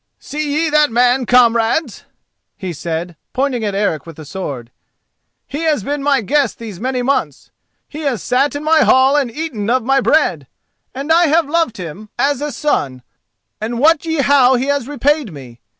"See ye that man, comrades?" he said, pointing at Eric with the sword. "He has been my guest these many months. He has sat in my hall and eaten of my bread, and I have loved him as a son. And wot ye how he has repaid me?